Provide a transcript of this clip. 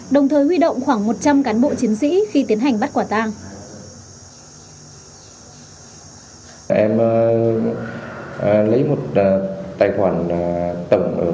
đồng thời huy động khoảng một trăm linh cán bộ chiến sĩ khi tiến hành bắt quả tàng